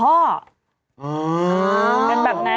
อัพสนบุษณะ